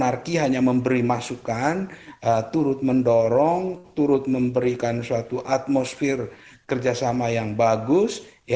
narki hanya memberi masukan turut mendorong turut memberikan suatu atmosfer kerjasama yang bagus